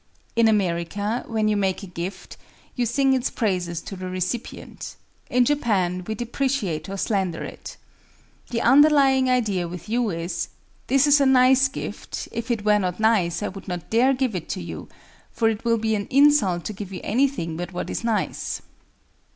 In America, when you make a gift, you sing its praises to the recipient; in Japan we depreciate or slander it. The underlying idea with you is, "This is a nice gift: if it were not nice I would not dare give it to you; for it will be an insult to give you anything but what is nice."